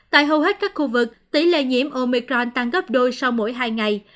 tại hầu hết các khu vực tỷ lệ nhiễm omicron tăng gấp đôi sau mỗi hai ngày